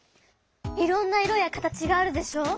いろんな色や形があるでしょ。